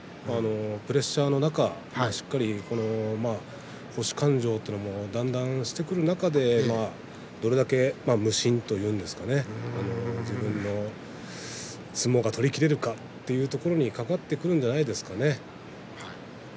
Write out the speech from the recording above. プレッシャーの中しっかり星勘定というのをだんだんしてくる中でどれだけ無心といいますか自分の相撲を取りきれるかにかかってくるんじゃないですかね。